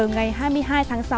ngày hai mươi hai tháng sáu